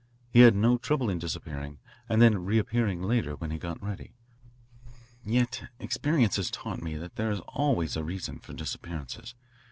He had no trouble in disappearing and then reappearing later, when he got ready. "Yet experience has taught me that there is always a reason for disappearances.